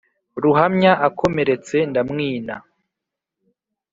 ruhamya akomeretse ndamwina